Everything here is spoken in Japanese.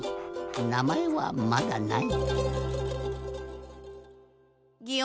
なまえはまだない。